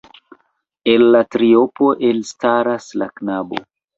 El la triopo elstaras la knabo.